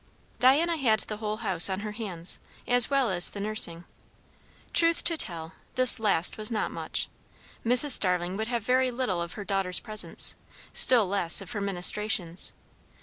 Diana had the whole house on her hands, as well as the nursing. Truth to tell, this last was not much. Mrs. Starling would have very little of her daughter's presence; still less of her ministrations.